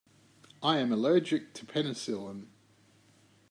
I am allergic to penicillin.